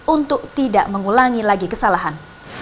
untuk tidak mengulangi lagi kesalahan